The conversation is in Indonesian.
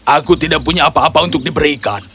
aku tidak punya apa apa untuk diberikan